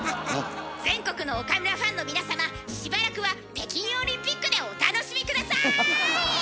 全国の岡村ファンの皆様しばらくは北京オリンピックでお楽しみ下さい！